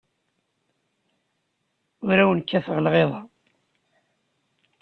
Ur awen-kkateɣ lɣiḍa.